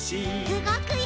うごくよ！